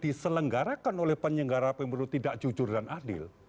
diselenggarakan oleh penyelenggara pemilu tidak jujur dan adil